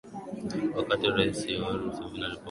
Wakati Raisi Yoweri Museveni alipokuwa Chato Julai mwaka jana